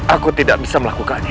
aku tidak bisa melakukannya